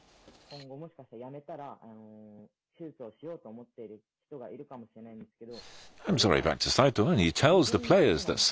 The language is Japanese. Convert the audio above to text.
今後もしかした辞めたら手術をしようと思ってる人がいるかもしれないんですけど。